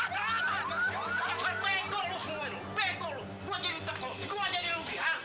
kamu bisa bego lo semua ya bego lo gue jadi takut gue jadi rugi